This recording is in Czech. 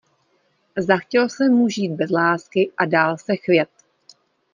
Zachtělo se mu žít bez lásky a dál se chvět.